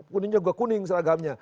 kuningnya juga kuning seragamnya